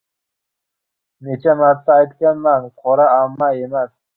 Necha marta aytganman: «Qora amma» emas